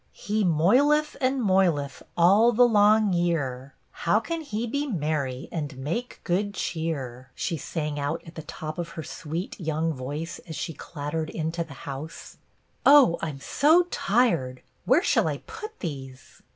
"' He moileth and moileth all the long year, How cap he be merry and mal^e good chee^?'" BETTY BAIRD 32 she sang out at the top of her sweet young voice as she clattered into the house. " Oh, I 'm so tired. Where shall I put these